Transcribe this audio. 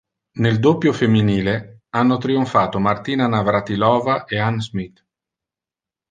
Nel doppio femminile hanno trionfato Martina Navrátilová e Anne Smith.